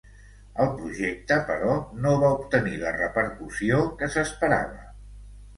El projecte, però, no va obtenir la repercussió que s'esperava.